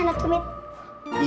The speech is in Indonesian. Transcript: bunyinya disana tuh mit